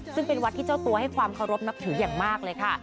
ซึ่งเป็นวัดที่เจ้าตัวให้ความเคารพนับถืออย่างมากเลยค่ะ